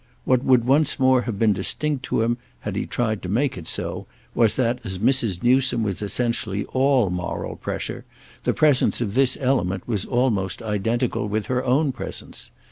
What would once more have been distinct to him had he tried to make it so was that, as Mrs. Newsome was essentially all moral pressure, the presence of this element was almost identical with her own presence.